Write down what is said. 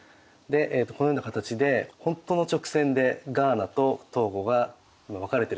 このような形で本当の直線でガーナとトーゴが分かれているというのが。